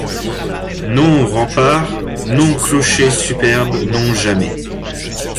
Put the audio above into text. Non, remparts, non, clochers superbes, non jamais